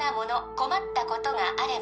困ったことがあれば